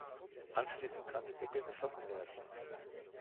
Anschließend kann der Deckel geschlossen werden.